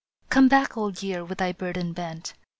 " Come back, Old Year, with thy burden bent.